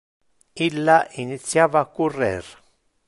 Illa initiava a currer.